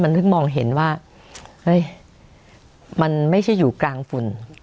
ถึงมองเห็นว่าเฮ้ยมันไม่ใช่อยู่กลางฝุ่น